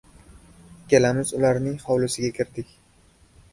Ikkalamiz ularning hovlisiga kirdik.